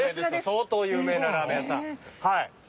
相当有名なラーメン屋さん。